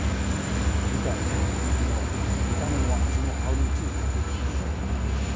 見たように、見た目も味も香りもチーズそっくりですよね。